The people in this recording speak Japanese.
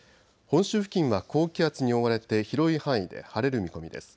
本州付近は高気圧に覆われて広い範囲で晴れる見込みです。